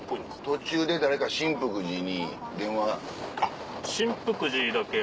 途中で誰か真福寺に電話。